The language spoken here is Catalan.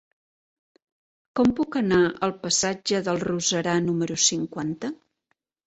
Com puc anar al passatge del Roserar número cinquanta?